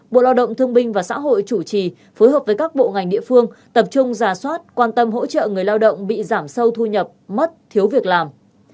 bộ lao động thương binh và xã hội chủ trì phối hợp với các bộ ngành địa phương tập trung giả soát quan tâm hỗ trợ người lao động bị giảm sâu thu nhập mất thiếu việc làm